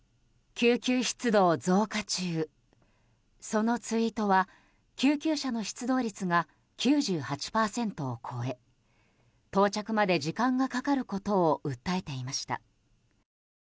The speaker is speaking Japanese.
そのツイートは救急車の出動率が９８％を超え到着まで時間がかかることを訴えていました。